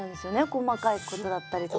細かいことだったりとか。